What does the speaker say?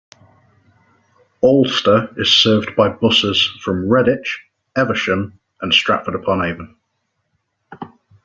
Alcester is served by buses from Redditch, Evesham and Stratford upon Avon.